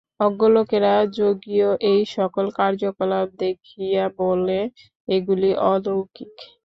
অজ্ঞলোকেরা যোগীর এই-সকল কার্যকলাপ দেখিয়া বলে, এগুলি অলৌকিক।